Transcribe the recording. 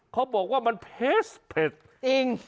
เขาบอกว่ามันเผ็ดเผ็ดจริง